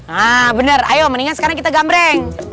ah bener ayo mendingan sekarang kita gambreng